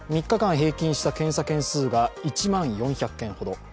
３日間平均した検査件数が１万４００件ほど。